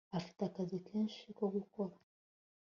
afite akazi kenshi ko gukora